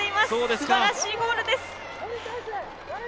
すばらしいゴールです。